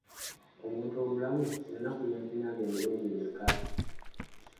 Omuntu omulamu olunaku yandinaabye emirundi emeka?